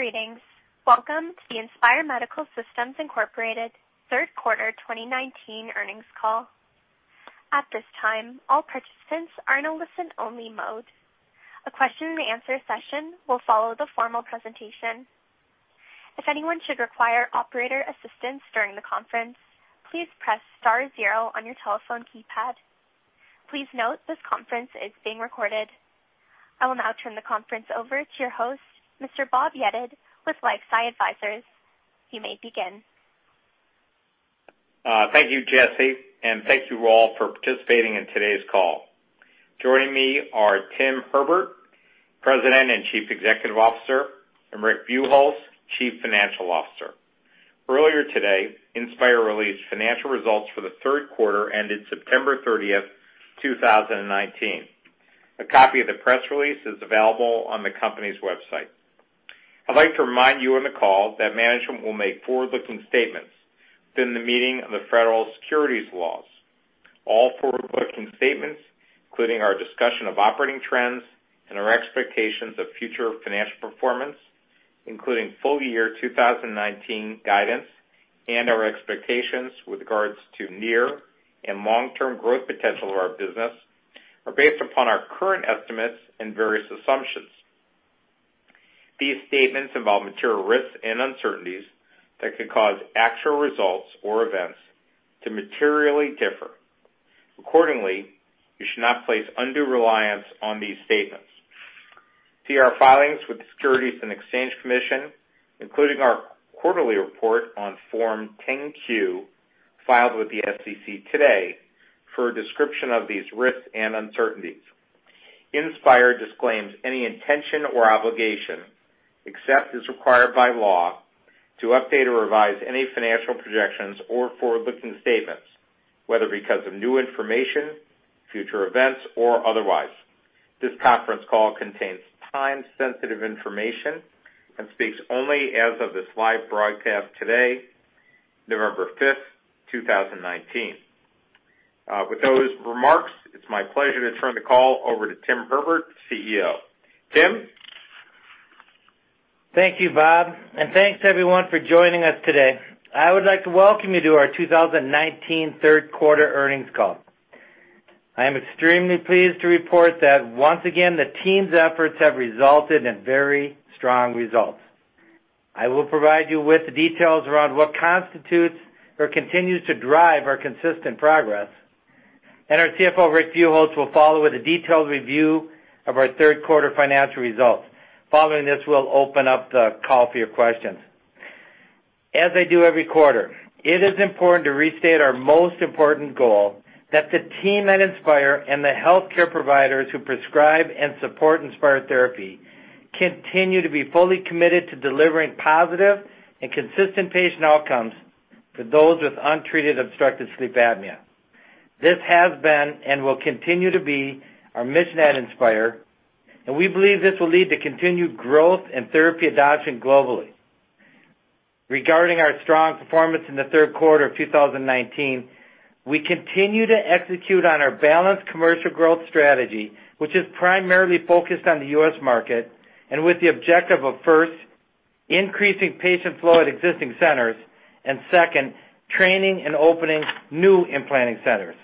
Greetings. Welcome to the Inspire Medical Systems Incorporated third quarter 2019 earnings call. At this time, all participants are in a listen-only mode. A question and answer session will follow the formal presentation. If anyone should require operator assistance during the conference, please press star zero on your telephone keypad. Please note this conference is being recorded. I will now turn the conference over to your host, Mr. Bob Yedid, with LifeSci Advisors. You may begin. Thank you, Jesse, and thank you all for participating in today's call. Joining me are Tim Herbert, President and Chief Executive Officer, and Rick Buchholz, Chief Financial Officer. Earlier today, Inspire released financial results for the third quarter ended September 30th, 2019. A copy of the press release is available on the company's website. I'd like to remind you on the call that management will make forward-looking statements within the meaning of the federal securities laws. All forward-looking statements, including our discussion of operating trends and our expectations of future financial performance, including full year 2019 guidance, and our expectations with regards to near and long-term growth potential of our business, are based upon our current estimates and various assumptions. These statements involve material risks and uncertainties that could cause actual results or events to materially differ. Accordingly, you should not place undue reliance on these statements. See our filings with the Securities and Exchange Commission, including our quarterly report on Form 10-Q, filed with the SEC today, for a description of these risks and uncertainties. Inspire disclaims any intention or obligation, except as required by law, to update or revise any financial projections or forward-looking statements, whether because of new information, future events, or otherwise. This conference call contains time-sensitive information and speaks only as of this live broadcast today, November 5th, 2019. With those remarks, it's my pleasure to turn the call over to Tim Herbert, CEO. Tim? Thank you, Bob, and thanks everyone for joining us today. I would like to welcome you to our 2019 third quarter earnings call. I am extremely pleased to report that once again, the team's efforts have resulted in very strong results. I will provide you with the details around what constitutes or continues to drive our consistent progress, and our CFO, Rick Buchholz, will follow with a detailed review of our third quarter financial results. Following this, we'll open up the call for your questions. As I do every quarter, it is important to restate our most important goal, that the team at Inspire and the healthcare providers who prescribe and support Inspire therapy continue to be fully committed to delivering positive and consistent patient outcomes for those with untreated obstructive sleep apnea. This has been and will continue to be our mission at Inspire, and we believe this will lead to continued growth and therapy adoption globally. Regarding our strong performance in the third quarter of 2019, we continue to execute on our balanced commercial growth strategy, which is primarily focused on the U.S. market and with the objective of, first, increasing patient flow at existing centers, and second, training and opening new implanting centers.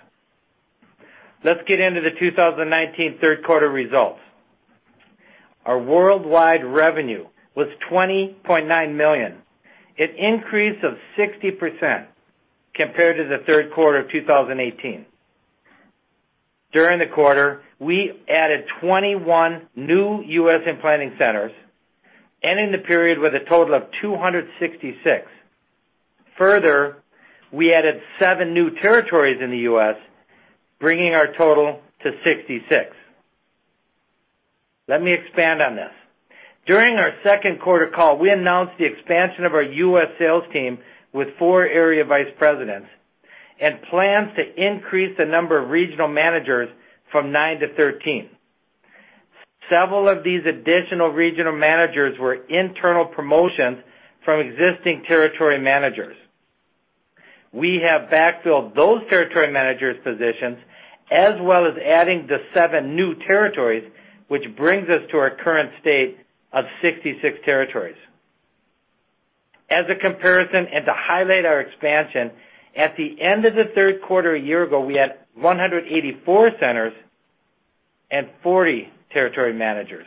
Let's get into the 2019 third quarter results. Our worldwide revenue was $20.9 million, an increase of 60% compared to the third quarter of 2018. During the quarter, we added 21 new U.S. implanting centers, ending the period with a total of 266. Further, we added seven new territories in the U.S., bringing our total to 66. Let me expand on this. During our second quarter call, we announced the expansion of our U.S. sales team with four area vice presidents and plans to increase the number of regional managers from nine to 13. Several of these additional regional managers were internal promotions from existing territory managers. We have backfilled those territory managers' positions, as well as adding the seven new territories, which brings us to our current state of 66 territories. As a comparison and to highlight our expansion, at the end of the third quarter a year ago, we had 184 centers and 40 territory managers.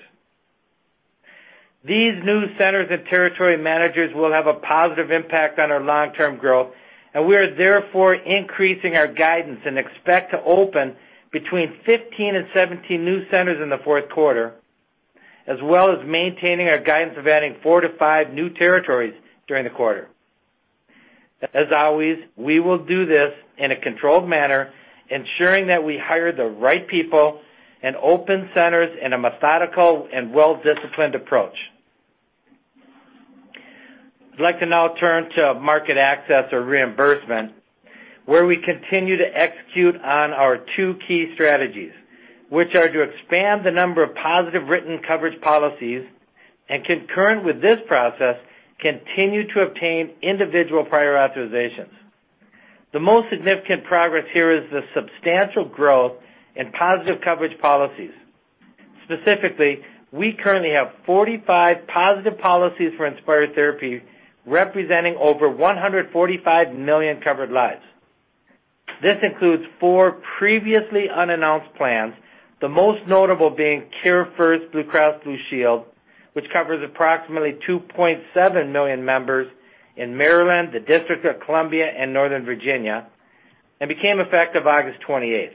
These new centers and territory managers will have a positive impact on our long-term growth, and we are therefore increasing our guidance and expect to open between 15 and 17 new centers in the fourth quarter, as well as maintaining our guidance of adding four to five new territories during the quarter. As always, we will do this in a controlled manner, ensuring that we hire the right people and open centers in a methodical and well-disciplined approach. I'd like to now turn to market access or reimbursement, where we continue to execute on our two key strategies, which are to expand the number of positive written coverage policies and concurrent with this process, continue to obtain individual prior authorizations. The most significant progress here is the substantial growth in positive coverage policies. Specifically, we currently have 45 positive policies for Inspire therapy, representing over 145 million covered lives. This includes four previously unannounced plans, the most notable being CareFirst BlueCross BlueShield, which covers approximately 2.7 million members in Maryland, the District of Columbia, and Northern Virginia, and became effective August 28th.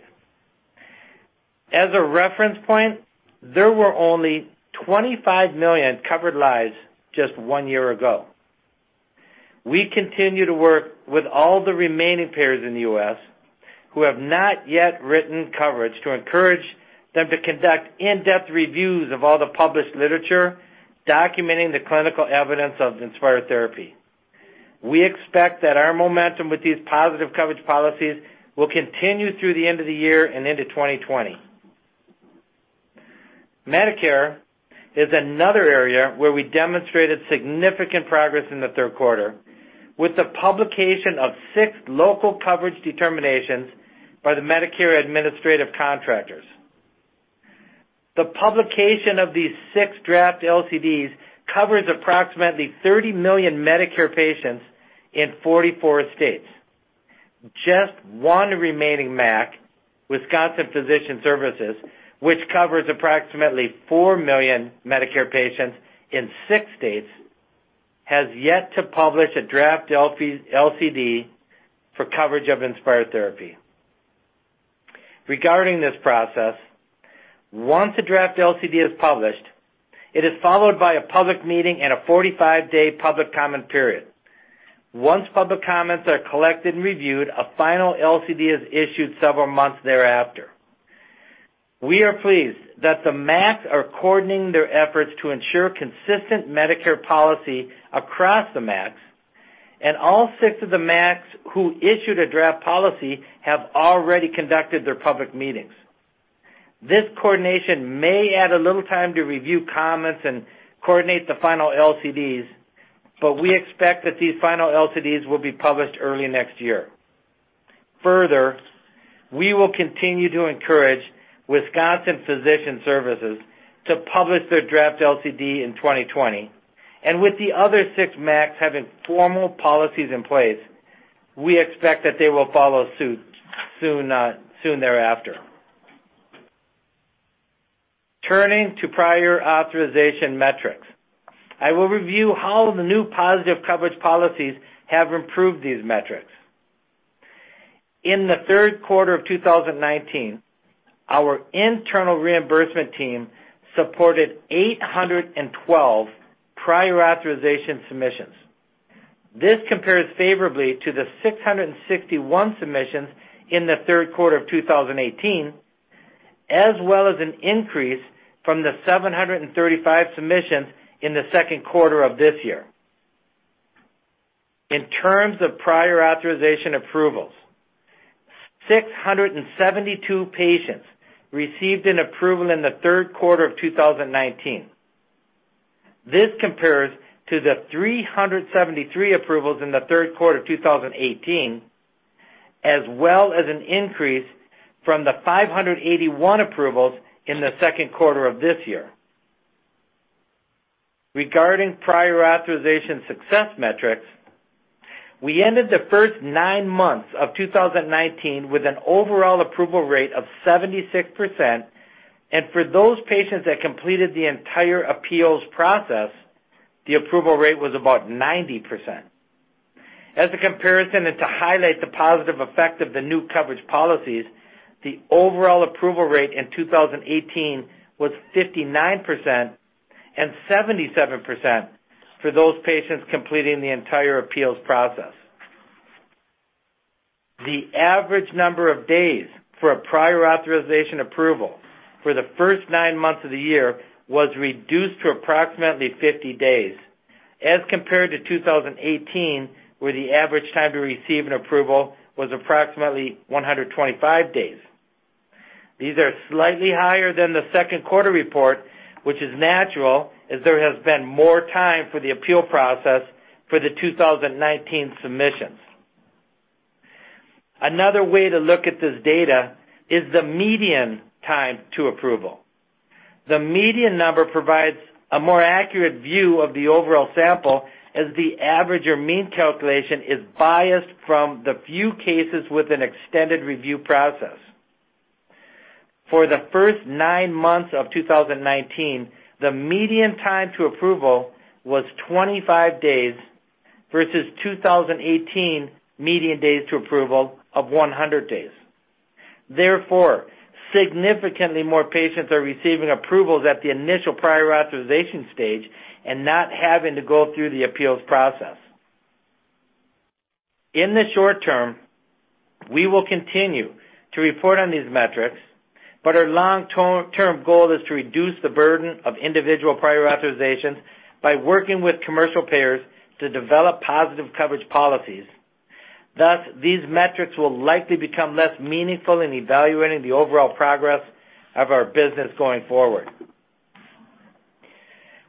As a reference point, there were only 25 million covered lives just one year ago. We continue to work with all the remaining payers in the U.S. who have not yet written coverage to encourage them to conduct in-depth reviews of all the published literature documenting the clinical evidence of Inspire therapy. We expect that our momentum with these positive coverage policies will continue through the end of the year and into 2020. Medicare is another area where we demonstrated significant progress in the third quarter with the publication of 6 Local Coverage Determinations by the Medicare Administrative Contractors. The publication of these 6 draft LCDs covers approximately 30 million Medicare patients in 44 states. Just one remaining MAC, Wisconsin Physicians Service, which covers approximately 4 million Medicare patients in 6 states, has yet to publish a draft LCD for coverage of Inspire therapy. Regarding this process, once a draft LCD is published, it is followed by a public meeting and a 45-day public comment period. Once public comments are collected and reviewed, a final LCD is issued several months thereafter. We are pleased that the MACs are coordinating their efforts to ensure consistent Medicare policy across the MACs, and all six of the MACs who issued a draft policy have already conducted their public meetings. This coordination may add a little time to review comments and coordinate the final LCDs, but we expect that these final LCDs will be published early next year. Further, we will continue to encourage Wisconsin Physicians Service to publish their draft LCD in 2020. With the other six MACs having formal policies in place, we expect that they will follow suit soon thereafter. Turning to prior authorization metrics. I will review how the new positive coverage policies have improved these metrics. In the third quarter of 2019, our internal reimbursement team supported 812 prior authorization submissions. This compares favorably to the 661 submissions in the third quarter of 2018, as well as an increase from the 735 submissions in the second quarter of this year. In terms of prior authorization approvals, 672 patients received an approval in the third quarter of 2019. This compares to the 373 approvals in the third quarter of 2018, as well as an increase from the 581 approvals in the second quarter of this year. Regarding prior authorization success metrics, we ended the first nine months of 2019 with an overall approval rate of 76%, and for those patients that completed the entire appeals process, the approval rate was about 90%. As a comparison and to highlight the positive effect of the new coverage policies, the overall approval rate in 2018 was 59% and 77% for those patients completing the entire appeals process. The average number of days for a prior authorization approval for the first nine months of the year was reduced to approximately 50 days, as compared to 2018, where the average time to receive an approval was approximately 125 days. These are slightly higher than the second quarter report, which is natural, as there has been more time for the appeal process for the 2019 submissions. Another way to look at this data is the median time to approval. The median number provides a more accurate view of the overall sample, as the average or mean calculation is biased from the few cases with an extended review process. For the first 9 months of 2019, the median time to approval was 25 days, versus 2018 median days to approval of 100 days. Therefore, significantly more patients are receiving approvals at the initial prior authorization stage and not having to go through the appeals process. In the short term, we will continue to report on these metrics, but our long-term goal is to reduce the burden of individual prior authorizations by working with commercial payers to develop positive coverage policies. Thus, these metrics will likely become less meaningful in evaluating the overall progress of our business going forward.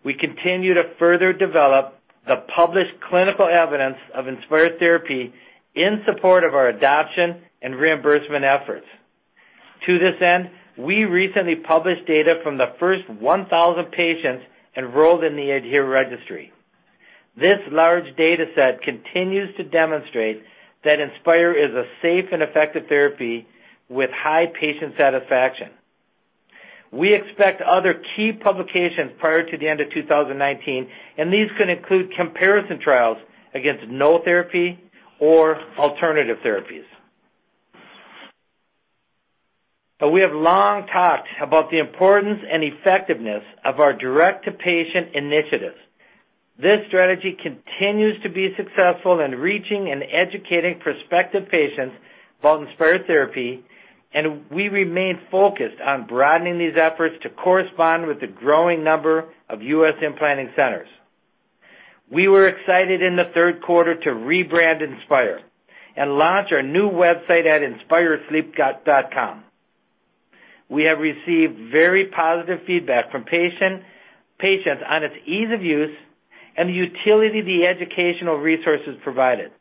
We continue to further develop the published clinical evidence of Inspire therapy in support of our adoption and reimbursement efforts. To this end, we recently published data from the first 1,000 patients enrolled in the ADHERE Registry. This large data set continues to demonstrate that Inspire is a safe and effective therapy with high patient satisfaction. We expect other key publications prior to the end of 2019, and these can include comparison trials against no therapy or alternative therapies. Now, we have long talked about the importance and effectiveness of our direct-to-patient initiatives. This strategy continues to be successful in reaching and educating prospective patients about Inspire therapy, and we remain focused on broadening these efforts to correspond with the growing number of U.S. implanting centers. We were excited in the third quarter to rebrand Inspire and launch our new website at inspiresleep.com. We have received very positive feedback from patients on its ease of use and the utility of the educational resources provided.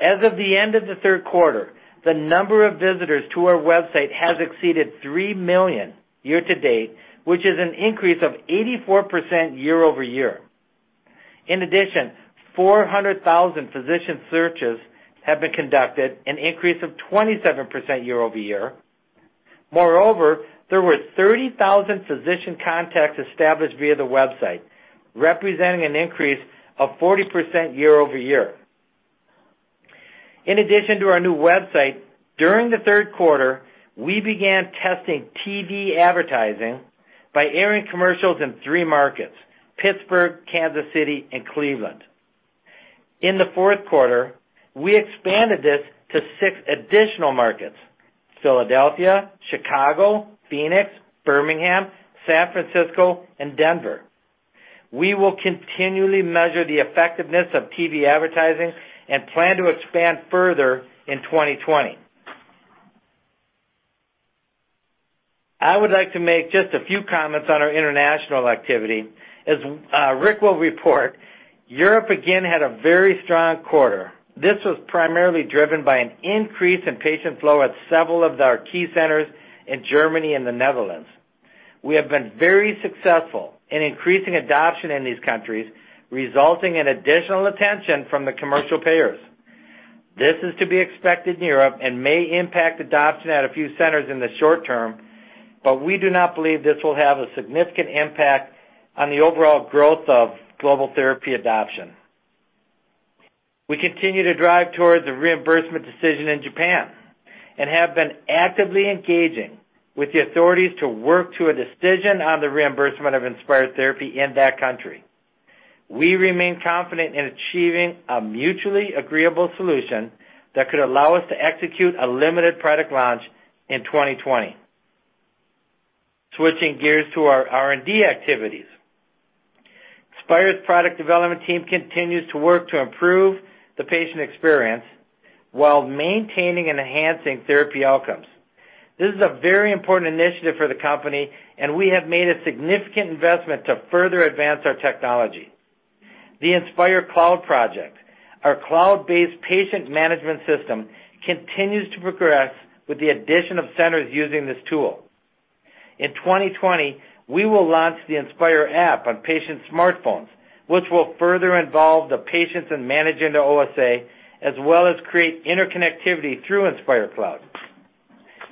As of the end of the third quarter, the number of visitors to our website has exceeded 3 million year to date, which is an increase of 84% year-over-year. In addition, 400,000 physician searches have been conducted, an increase of 27% year-over-year. Moreover, there were 30,000 physician contacts established via the website, representing an increase of 40% year-over-year. In addition to our new website, during the third quarter, we began testing TV advertising by airing commercials in three markets, Pittsburgh, Kansas City, and Cleveland. In the fourth quarter, we expanded this to six additional markets, Philadelphia, Chicago, Phoenix, Birmingham, San Francisco, and Denver. We will continually measure the effectiveness of TV advertising and plan to expand further in 2020. I would like to make just a few comments on our international activity. As Rick will report, Europe again had a very strong quarter. This was primarily driven by an increase in patient flow at several of our key centers in Germany and the Netherlands. We have been very successful in increasing adoption in these countries, resulting in additional attention from the commercial payers. This is to be expected in Europe and may impact adoption at a few centers in the short term, but we do not believe this will have a significant impact on the overall growth of global therapy adoption. We continue to drive towards a reimbursement decision in Japan and have been actively engaging with the authorities to work to a decision on the reimbursement of Inspire therapy in that country. We remain confident in achieving a mutually agreeable solution that could allow us to execute a limited product launch in 2020. Switching gears to our R&D activities. Inspire's product development team continues to work to improve the patient experience while maintaining and enhancing therapy outcomes. This is a very important initiative for the company, and we have made a significant investment to further advance our technology. The Inspire Cloud Project, our cloud-based patient management system, continues to progress with the addition of centers using this tool. In 2020, we will launch the Inspire app on patient smartphones, which will further involve the patients in managing their OSA, as well as create interconnectivity through Inspire Cloud.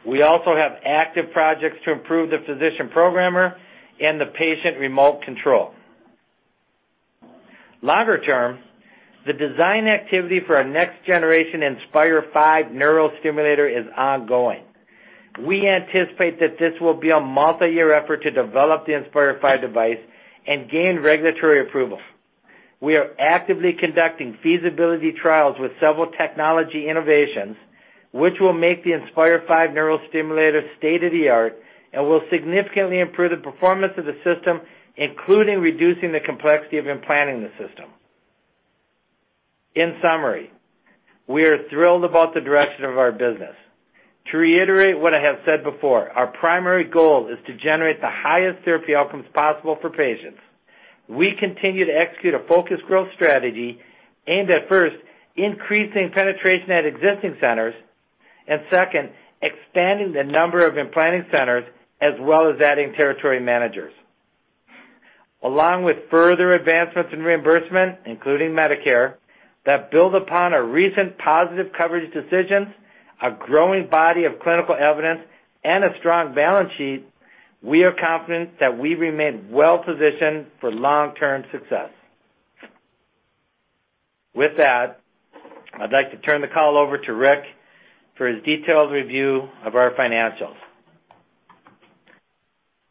We also have active projects to improve the physician programmer and the patient remote control. Longer term, the design activity for our next generation Inspire 5 neurostimulator is ongoing. We anticipate that this will be a multi-year effort to develop the Inspire 5 device and gain regulatory approval. We are actively conducting feasibility trials with several technology innovations, which will make the Inspire 5 neurostimulator state-of-the-art and will significantly improve the performance of the system, including reducing the complexity of implanting the system. In summary, we are thrilled about the direction of our business. To reiterate what I have said before, our primary goal is to generate the highest therapy outcomes possible for patients. We continue to execute a focused growth strategy aimed at, first, increasing penetration at existing centers, and second, expanding the number of implanting centers, as well as adding territory managers. Along with further advancements in reimbursement, including Medicare, that build upon our recent positive coverage decisions, a growing body of clinical evidence, and a strong balance sheet, we are confident that we remain well-positioned for long-term success. With that, I'd like to turn the call over to Rick for his detailed review of our financials.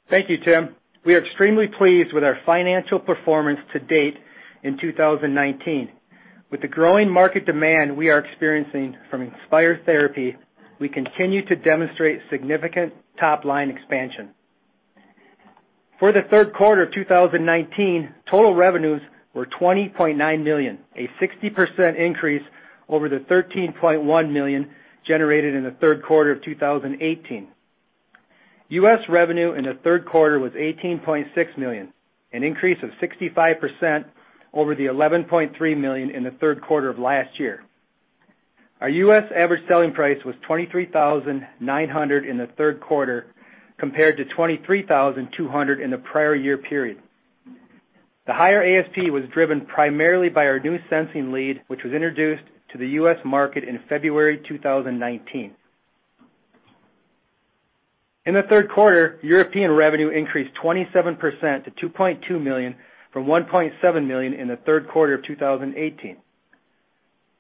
Thank you, Tim. We are extremely pleased with our financial performance to date in 2019. With the growing market demand we are experiencing from Inspire therapy, we continue to demonstrate significant top-line expansion. For the third quarter of 2019, total revenues were $20.9 million, a 60% increase over the $13.1 million generated in the third quarter of 2018. U.S. revenue in the third quarter was $18.6 million, an increase of 65% over the $11.3 million in the third quarter of last year. Our U.S. average selling price was $23,900 in the third quarter, compared to $23,200 in the prior year period. The higher ASP was driven primarily by our new sensing lead, which was introduced to the U.S. market in February 2019. In the third quarter, European revenue increased 27% to $2.2 million from $1.7 million in the third quarter of 2018.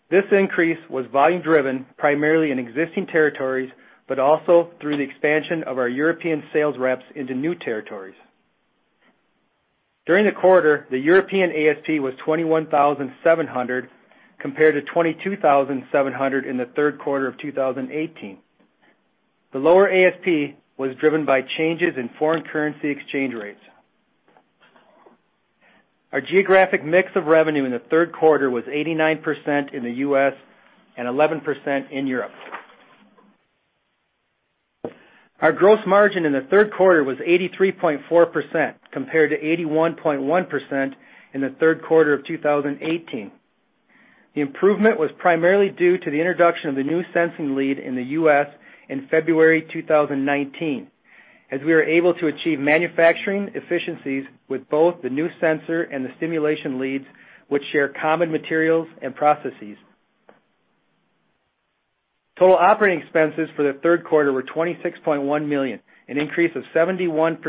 This increase was volume driven primarily in existing territories, but also through the expansion of our European sales reps into new territories. During the quarter, the European ASP was $21,700, compared to $22,700 in the third quarter of 2018. The lower ASP was driven by changes in foreign currency exchange rates. Our geographic mix of revenue in the third quarter was 89% in the U.S. and 11% in Europe. Our gross margin in the third quarter was 83.4%, compared to 81.1% in the third quarter of 2018. The improvement was primarily due to the introduction of the new sensing lead in the U.S. in February 2019, as we were able to achieve manufacturing efficiencies with both the new sensor and the stimulation lead, which share common materials and processes. Total operating expenses for the third quarter were $26.1 million, an increase of 71%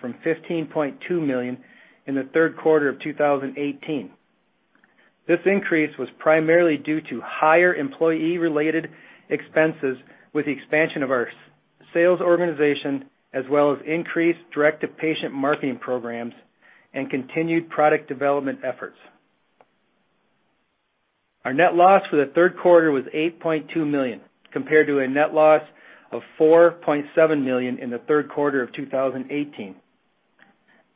from $15.2 million in the third quarter of 2018. This increase was primarily due to higher employee-related expenses with the expansion of our sales organization, as well as increased direct-to-patient marketing programs and continued product development efforts. Our net loss for the third quarter was $8.2 million, compared to a net loss of $4.7 million in the third quarter of 2018.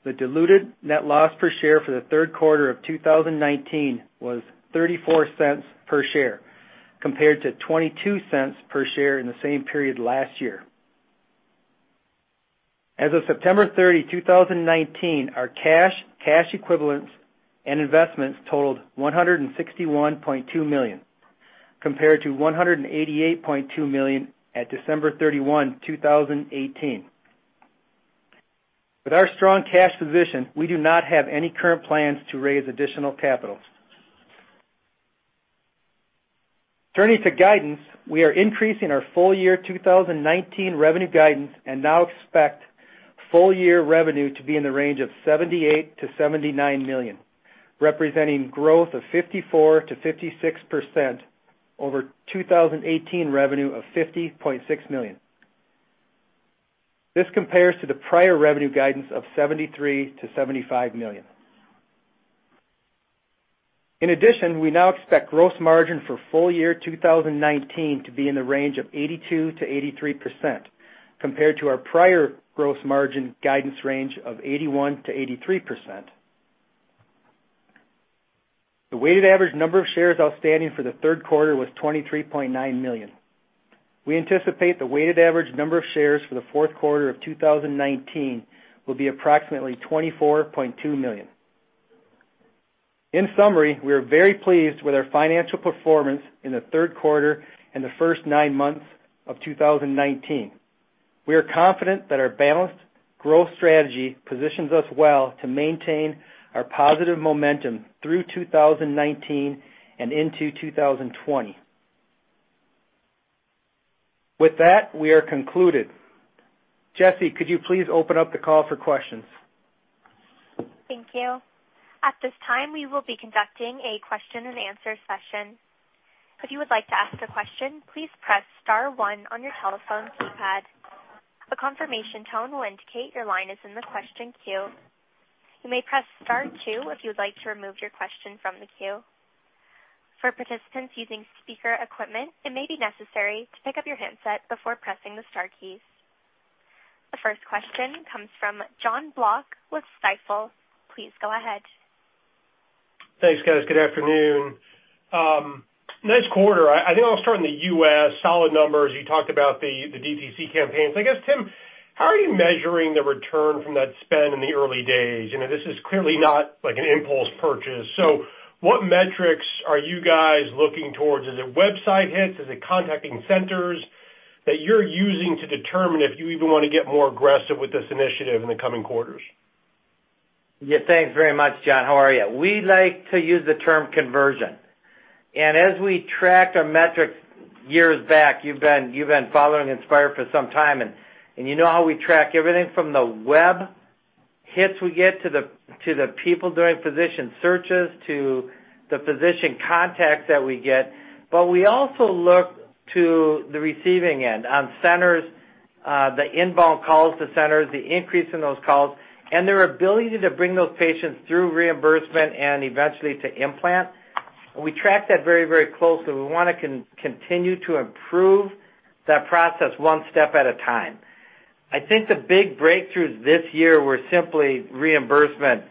The diluted net loss per share for the third quarter of 2019 was $0.34 per share, compared to $0.22 per share in the same period last year. As of September 30, 2019, our cash equivalents, and investments totaled $161.2 million, compared to $188.2 million at December 31, 2018. With our strong cash position, we do not have any current plans to raise additional capital. Turning to guidance, we are increasing our full year 2019 revenue guidance and now expect full year revenue to be in the range of $78 million-$79 million, representing growth of 54%-56% over 2018 revenue of $50.6 million. This compares to the prior revenue guidance of $73 million-$75 million. In addition, we now expect gross margin for full year 2019 to be in the range of 82%-83%, compared to our prior gross margin guidance range of 81%-83%. The weighted average number of shares outstanding for the third quarter was 23.9 million. We anticipate the weighted average number of shares for the fourth quarter of 2019 will be approximately 24.2 million. In summary, we are very pleased with our financial performance in the third quarter and the first nine months of 2019. We are confident that our balanced growth strategy positions us well to maintain our positive momentum through 2019 and into 2020. With that, we are concluded. Jesse, could you please open up the call for questions? Thank you. At this time, we will be conducting a question and answer session. If you would like to ask a question, please press *1 on your telephone keypad. A confirmation tone will indicate your line is in the question queue. You may press *2 if you would like to remove your question from the queue. For participants using speaker equipment, it may be necessary to pick up your handset before pressing the star keys. The first question comes from Jon Block with Stifel. Please go ahead. Thanks, guys. Good afternoon. Nice quarter. I think I'll start in the U.S. Solid numbers. You talked about the DTC campaigns. I guess, Tim, how are you measuring the return from that spend in the early days? This is clearly not an impulse purchase. What metrics are you guys looking towards? Is it website hits? Is it contacting centers that you're using to determine if you even want to get more aggressive with this initiative in the coming quarters? Yeah. Thanks very much, Jon. How are you? We like to use the term conversion. As we tracked our metrics years back, you've been following Inspire for some time, and you know how we track everything from the web hits we get to the people doing physician searches to the physician contacts that we get. We also look to the receiving end on centers, the inbound calls to centers, the increase in those calls, and their ability to bring those patients through reimbursement and eventually to implant. We track that very closely. We want to continue to improve that process one step at a time. I think the big breakthroughs this year were simply reimbursement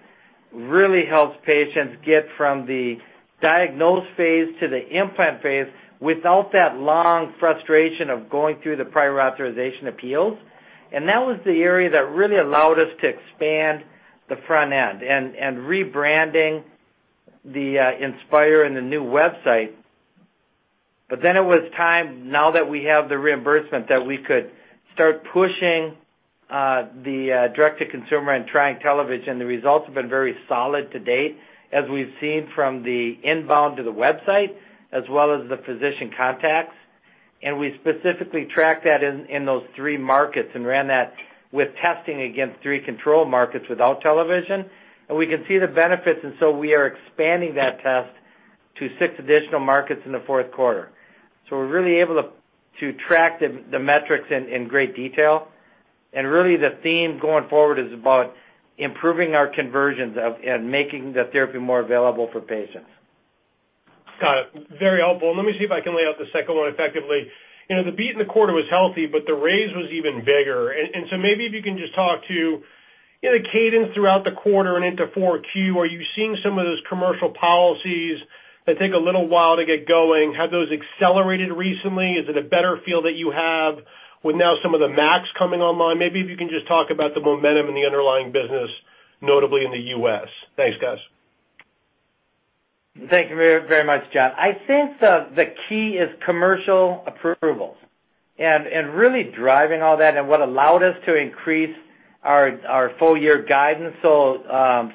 Really helps patients get from the diagnosed phase to the implant phase without that long frustration of going through the prior authorization appeals. That was the area that really allowed us to expand the front end and rebranding the Inspire and the new website. Then it was time, now that we have the reimbursement, that we could start pushing the direct-to-consumer and trying television. The results have been very solid to date, as we've seen from the inbound to the website, as well as the physician contacts. We specifically tracked that in those three markets and ran that with testing against three control markets without television. We can see the benefits, we are expanding that test to six additional markets in the fourth quarter. We're really able to track the metrics in great detail. Really the theme going forward is about improving our conversions and making the therapy more available for patients. Got it. Very helpful. Let me see if I can lay out the second one effectively. The beat in the quarter was healthy. The raise was even bigger. Maybe if you can just talk to the cadence throughout the quarter and into 4Q. Are you seeing some of those commercial policies that take a little while to get going? Have those accelerated recently? Is it a better feel that you have with now some of the MACs coming online? Maybe if you can just talk about the momentum in the underlying business, notably in the U.S. Thanks, guys. Thank you very much, Jon. I think the key is commercial approvals. Really driving all that and what allowed us to increase our full-year guidance so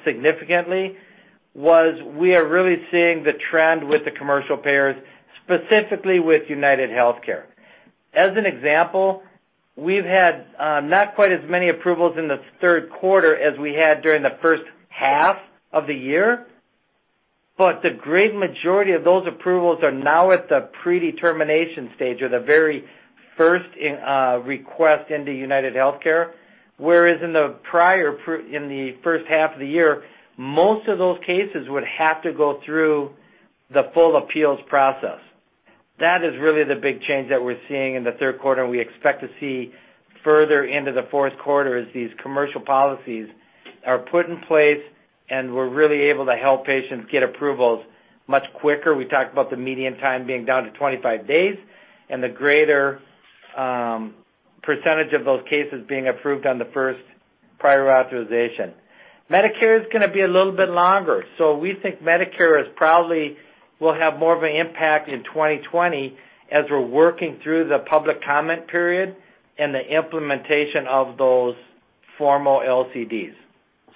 significantly was we are really seeing the trend with the commercial payers, specifically with UnitedHealthcare. As an example, we've had not quite as many approvals in the third quarter as we had during the first half of the year, but the great majority of those approvals are now at the predetermination stage or the very first request into UnitedHealthcare. Whereas in the first half of the year, most of those cases would have to go through the full appeals process. That is really the big change that we're seeing in the third quarter, and we expect to see further into the fourth quarter as these commercial policies are put in place, and we're really able to help patients get approvals much quicker. We talked about the median time being down to 25 days and the greater percentage of those cases being approved on the first prior authorization. Medicare is going to be a little bit longer. We think Medicare is probably will have more of an impact in 2020 as we're working through the public comment period and the implementation of those formal LCDs.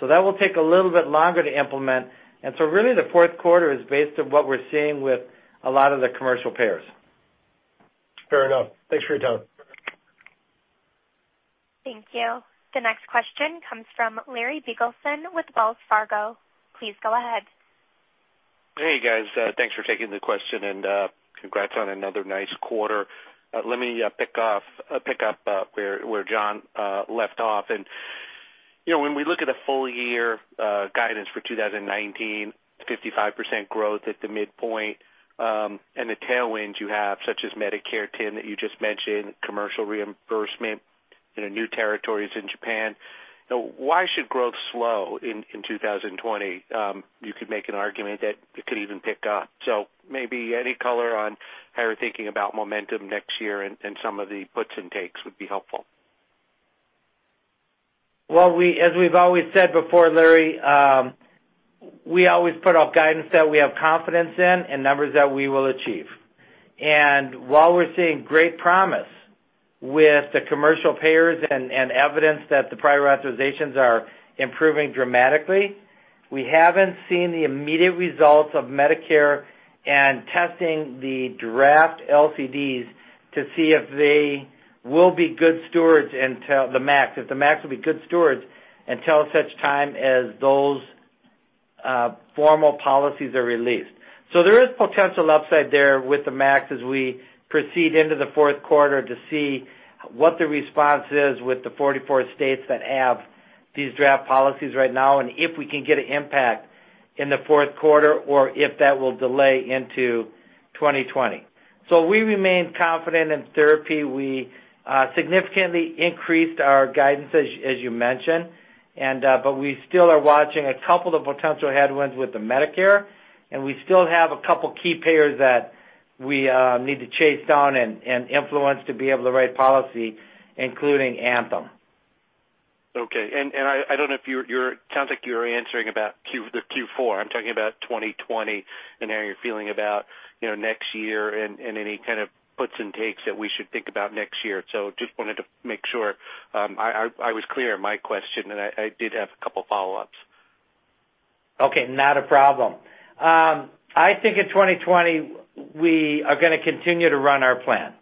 That will take a little bit longer to implement. Really, the fourth quarter is based on what we're seeing with a lot of the commercial payers. Fair enough. Thanks for your time. Thank you. The next question comes from Larry Biegelsen with Wells Fargo. Please go ahead. Hey, guys. Thanks for taking the question, and congrats on another nice quarter. Let me pick up where Jon left off. When we look at a full year guidance for 2019, 55% growth at the midpoint, and the tailwinds you have, such as Medicare 10 that you just mentioned, commercial reimbursement in new territories in Japan, why should growth slow in 2020? You could make an argument that it could even pick up. Maybe any color on how you're thinking about momentum next year and some of the puts and takes would be helpful. As we've always said before, Larry, we always put out guidance that we have confidence in and numbers that we will achieve. While we're seeing great promise with the commercial payers and evidence that the prior authorizations are improving dramatically, we haven't seen the immediate results of Medicare and testing the draft LCDs to see if they will be good stewards until the MACs. If the MACs will be good stewards until such time as those formal policies are released. There is potential upside there with the MACs as we proceed into the fourth quarter to see what the response is with the 44 states that have these draft policies right now, and if we can get an impact in the fourth quarter or if that will delay into 2020. We remain confident in therapy. We significantly increased our guidance, as you mentioned, but we still are watching a couple of potential headwinds with the Medicare, and we still have a couple key payers that we need to chase down and influence to be able to write policy, including Anthem. Okay. I don't know if it sounds like you're answering about the Q4. I'm talking about 2020 and how you're feeling about next year and any kind of puts and takes that we should think about next year. Just wanted to make sure I was clear in my question, and I did have a couple follow-ups. Okay, not a problem. I think in 2020, we are going to continue to run our plan,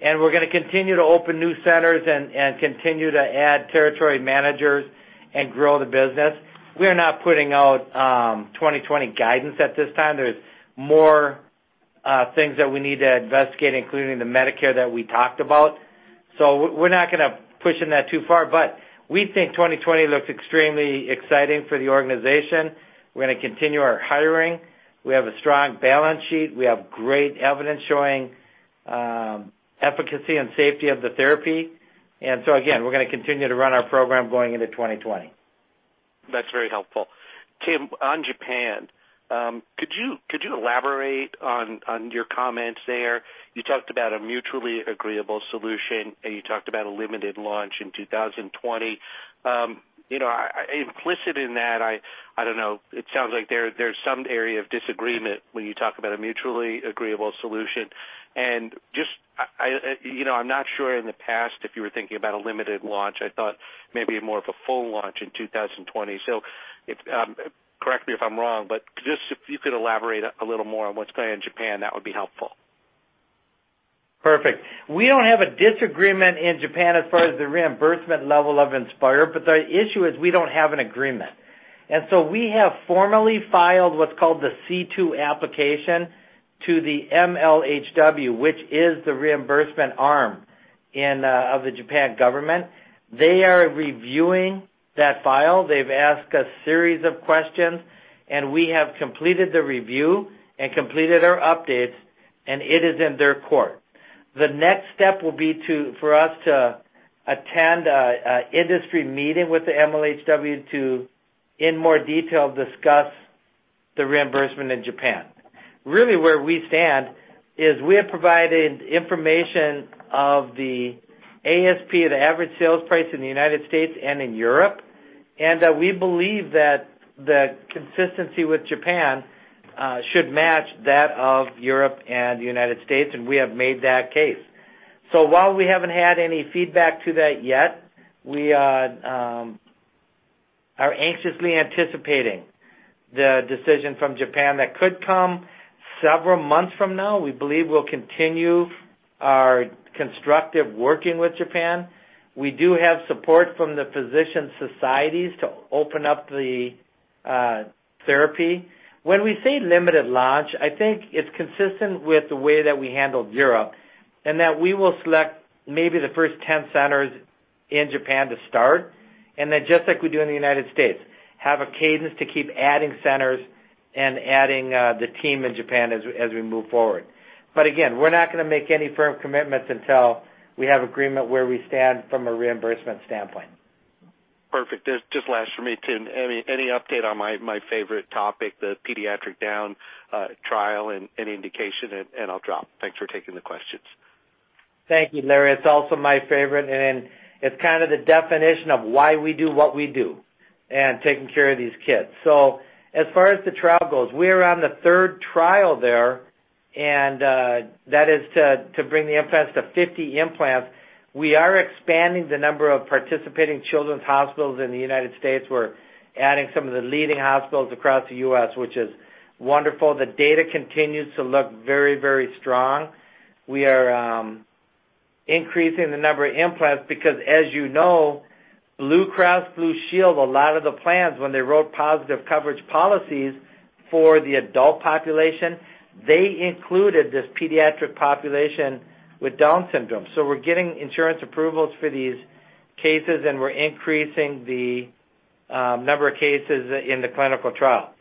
and we're going to continue to open new centers and continue to add territory managers and grow the business. We are not putting out 2020 guidance at this time. There's more things that we need to investigate, including the Medicare that we talked about. We're not going to push in that too far, but we think 2020 looks extremely exciting for the organization. We're going to continue our hiring. We have a strong balance sheet. We have great evidence showing efficacy and safety of the therapy. Again, we're going to continue to run our program going into 2020. That's very helpful. Tim, on Japan, could you elaborate on your comments there? You talked about a mutually agreeable solution, and you talked about a limited launch in 2020. Implicit in that, I don't know, it sounds like there's some area of disagreement when you talk about a mutually agreeable solution. Just, I'm not sure in the past if you were thinking about a limited launch. I thought maybe more of a full launch in 2020. Correct me if I'm wrong, but just if you could elaborate a little more on what's going on in Japan, that would be helpful. Perfect. We don't have a disagreement in Japan as far as the reimbursement level of Inspire, but the issue is we don't have an agreement. We have formally filed what's called the C2 application to the MHLW, which is the reimbursement arm of the Japan government. They are reviewing that file. They've asked us a series of questions, and we have completed the review and completed our updates, and it is in their court. The next step will be for us to attend a industry meeting with the MHLW to, in more detail, discuss the reimbursement in Japan. Really where we stand is we have provided information of the ASP, the average sales price in the United States and in Europe. We believe that the consistency with Japan should match that of Europe and United States, and we have made that case. While we haven't had any feedback to that yet, we are anxiously anticipating the decision from Japan that could come several months from now. We believe we'll continue our constructive working with Japan. We do have support from the physician societies to open up the therapy. When we say limited launch, I think it's consistent with the way that we handled Europe, in that we will select maybe the first 10 centers in Japan to start, and then just like we do in the United States, have a cadence to keep adding centers and adding the team in Japan as we move forward. Again, we're not going to make any firm commitments until we have agreement where we stand from a reimbursement standpoint. Perfect. Just last for me, Tim, any update on my favorite topic, the pediatric Down trial and indication, and I'll drop? Thanks for taking the questions. Thank you, Larry. It's also my favorite, and it's kind of the definition of why we do what we do and taking care of these kids. As far as the trial goes, we are on the third trial there, and that is to bring the implants to 50 implants. We are expanding the number of participating children's hospitals in the U.S. We're adding some of the leading hospitals across the U.S., which is wonderful. The data continues to look very strong. We are increasing the number of implants because, as you know, Blue Cross Blue Shield, a lot of the plans when they wrote positive coverage policies for the adult population, they included this pediatric population with Down syndrome. We're getting insurance approvals for these cases, and we're increasing the number of cases in the clinical trial.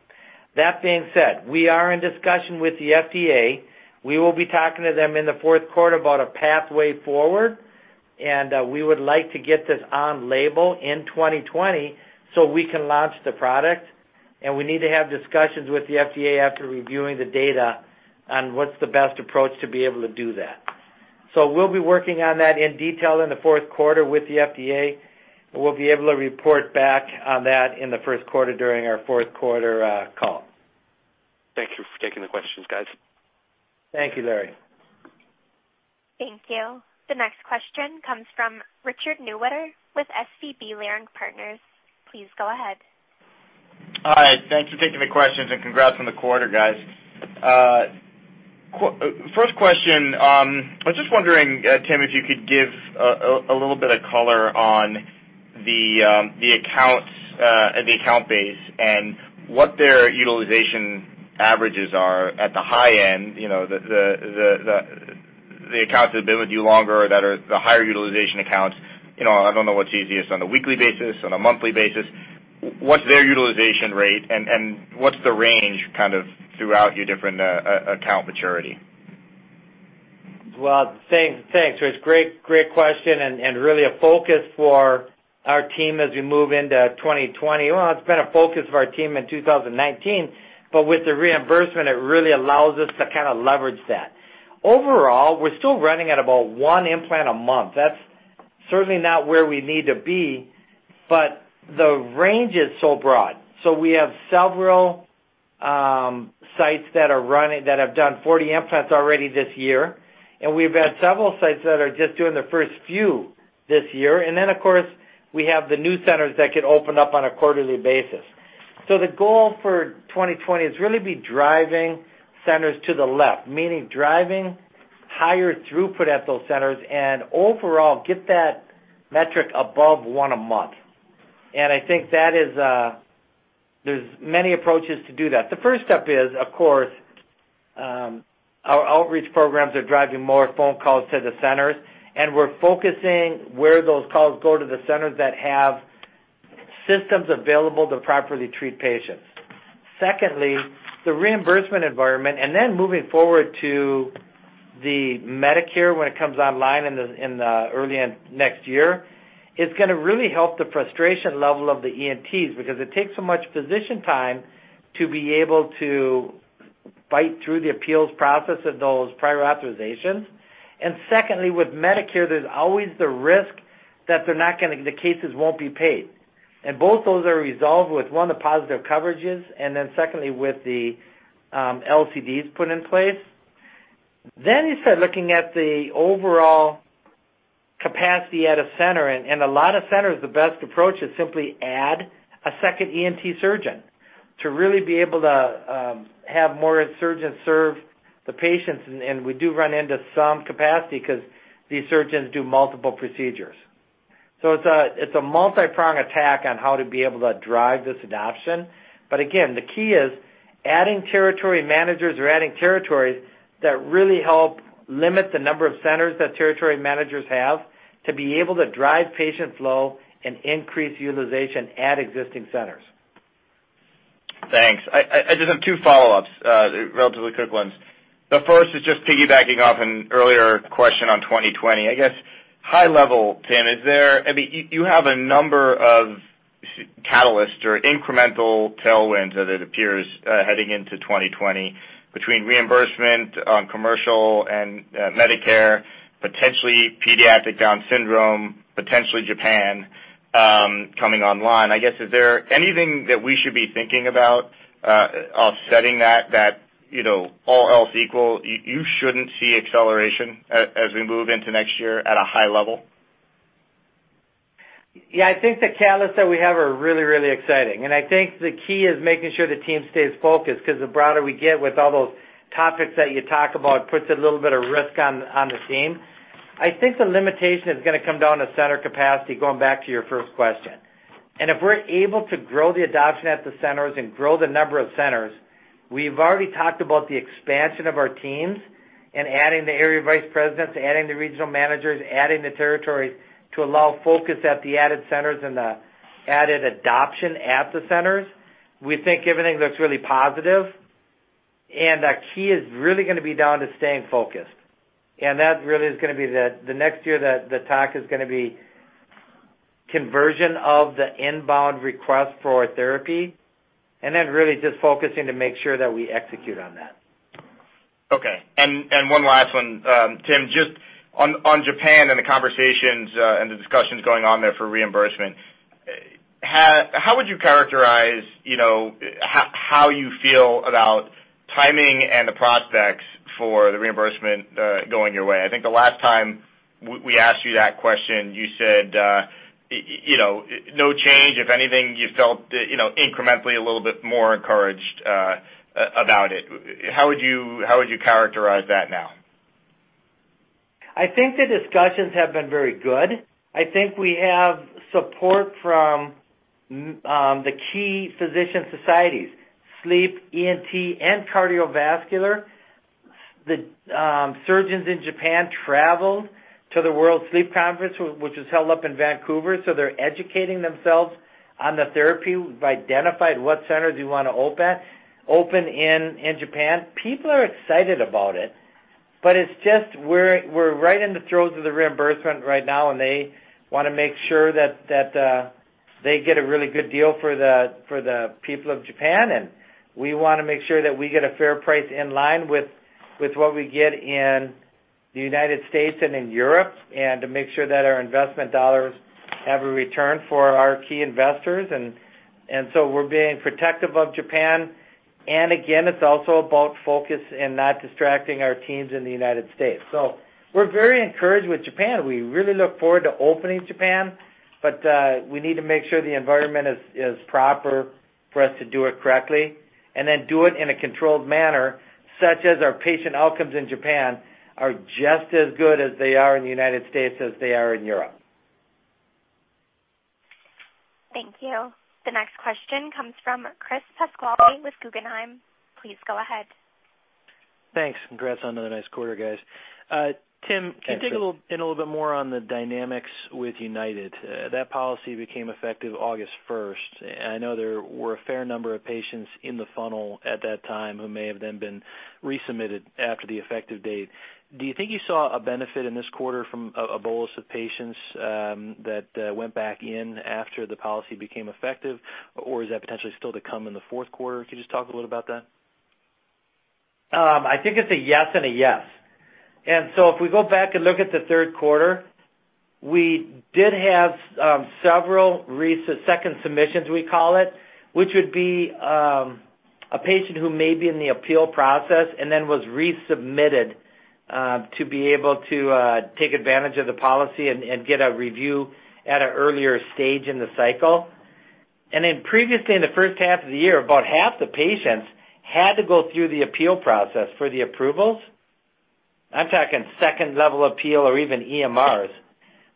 That being said, we are in discussion with the FDA. We will be talking to them in the fourth quarter about a pathway forward. We would like to get this on label in 2020 so we can launch the product. We need to have discussions with the FDA after reviewing the data on what's the best approach to be able to do that. We'll be working on that in detail in the fourth quarter with the FDA. We'll be able to report back on that in the first quarter during our fourth quarter call. Thank you for taking the questions, guys. Thank you, Larry. Thank you. The next question comes from Richard Newitter with SVB Leerink. Please go ahead. Hi. Thanks for taking the questions and congrats on the quarter, guys. First question, I was just wondering, Tim, if you could give a little bit of color on the account base and what their utilization averages are at the high end, the accounts that have been with you longer that are the higher utilization accounts. I don't know what's easiest on a weekly basis, on a monthly basis. What's their utilization rate, and what's the range kind of throughout your different account maturity? Thanks, Richard. Great question, and really a focus for our team as we move into 2020. It's been a focus of our team in 2019, with the reimbursement, it really allows us to kind of leverage that. Overall, we're still running at about one implant a month. That's certainly not where we need to be, the range is so broad. We have several sites that have done 40 implants already this year, and we've had several sites that are just doing their first few this year. Of course, we have the new centers that could open up on a quarterly basis. The goal for 2020 is really be driving centers to the left, meaning driving higher throughput at those centers and overall get that metric above one a month. I think there's many approaches to do that. The first step is, of course, our outreach programs are driving more phone calls to the centers. We're focusing where those calls go to the centers that have systems available to properly treat patients. Secondly, the reimbursement environment, and then moving forward to the Medicare when it comes online in the early next year, is going to really help the frustration level of the ENTs, because it takes so much physician time to be able to fight through the appeals process of those prior authorizations. Secondly, with Medicare, there's always the risk that the cases won't be paid. Both those are resolved with, one, the positive coverages, and then secondly, with the LCDs put in place. You start looking at the overall capacity at a center. In a lot of centers, the best approach is simply add a second ENT surgeon to really be able to have more surgeons serve the patients. We do run into some capacity because these surgeons do multiple procedures. It's a multi-pronged attack on how to be able to drive this adoption. Again, the key is adding territory managers or adding territories that really help limit the number of centers that territory managers have to be able to drive patient flow and increase utilization at existing centers. Thanks. I just have two follow-ups, relatively quick ones. The first is just piggybacking off an earlier question on 2020. I guess, high level, Tim, you have a number of catalysts or incremental tailwinds as it appears, heading into 2020, between reimbursement on commercial and Medicare, potentially pediatric Down syndrome, potentially Japan coming online. I guess, is there anything that we should be thinking about offsetting that, all else equal, you shouldn't see acceleration as we move into next year at a high level? Yeah, I think the catalysts that we have are really, really exciting, and I think the key is making sure the team stays focused, because the broader we get with all those topics that you talk about puts a little bit of risk on the team. I think the limitation is going to come down to center capacity, going back to your first question. If we're able to grow the adoption at the centers and grow the number of centers, we've already talked about the expansion of our teams and adding the area vice presidents, adding the regional managers, adding the territory to allow focus at the added centers and the added adoption at the centers. We think everything looks really positive, and the key is really going to be down to staying focused. The next year, the talk is going to be conversion of the inbound request for therapy, and then really just focusing to make sure that we execute on that. Okay. One last one, Tim. Just on Japan and the conversations and the discussions going on there for reimbursement, how would you characterize how you feel about timing and the prospects for the reimbursement going your way? I think the last time we asked you that question, you said no change. If anything, you felt incrementally a little bit more encouraged about it. How would you characterize that now? I think the discussions have been very good. I think we have support from the key physician societies, sleep, ENT, and cardiovascular. The surgeons in Japan traveled to the World Sleep Congress, which was held up in Vancouver. They're educating themselves on the therapy. We've identified what centers we want to open in Japan. People are excited about it. It's just we're right in the throes of the reimbursement right now. They want to make sure that they get a really good deal for the people of Japan. We want to make sure that we get a fair price in line with what we get in the United States and in Europe, to make sure that our investment dollars have a return for our key investors. We're being protective of Japan, and again, it's also about focus and not distracting our teams in the United States. We're very encouraged with Japan. We really look forward to opening Japan, but we need to make sure the environment is proper for us to do it correctly, and then do it in a controlled manner, such as our patient outcomes in Japan are just as good as they are in the United States as they are in Europe. Thank you. The next question comes from Chris Pasquale with Guggenheim. Please go ahead. Thanks. Congrats on another nice quarter, guys. Thanks, Chris can you dig in a little bit more on the dynamics with United? That policy became effective August 1st. I know there were a fair number of patients in the funnel at that time who may have then been resubmitted after the effective date. Do you think you saw a benefit in this quarter from a bolus of patients that went back in after the policy became effective, or is that potentially still to come in the fourth quarter? Could you just talk a little about that? I think it's a yes and a yes. If we go back and look at the third quarter, we did have several second submissions, we call it, which would be a patient who may be in the appeal process and then was resubmitted to be able to take advantage of the policy and get a review at an earlier stage in the cycle. Previously, in the first half of the year, about half the patients had to go through the appeal process for the approvals. I'm talking second-level appeal or even EMRs.